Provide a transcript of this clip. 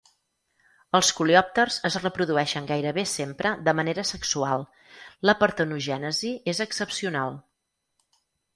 Els coleòpters es reprodueixen gairebé sempre de manera sexual; la partenogènesi és excepcional.